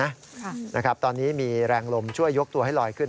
ค่ะนะครับตอนนี้มีแรงลมช่วยยกตัวให้ลอยขึ้น